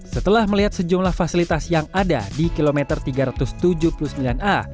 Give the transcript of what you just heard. setelah melihat sejumlah fasilitas yang ada di kilometer tiga ratus tujuh puluh sembilan a